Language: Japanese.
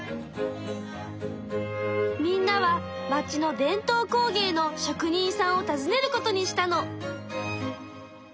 みんなは町の伝統工芸の職人さんをたずねることにしたの。